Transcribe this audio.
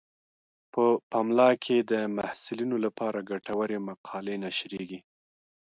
په پملا کې د محصلینو لپاره ګټورې مقالې نشریږي.